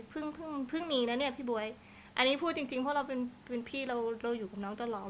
เพิ่งเพิ่งมีนะเนี่ยพี่บ๊วยอันนี้พูดจริงเพราะเราเป็นพี่เราอยู่กับน้องตลอด